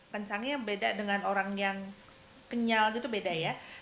kencangnya beda dengan orang yang kenyal gitu beda ya